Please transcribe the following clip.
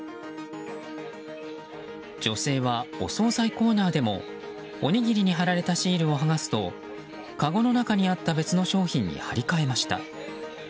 女性はお総菜コーナーでもおにぎりに貼られたシールを剥がすとかごの中にあった別の商品に貼り替えました。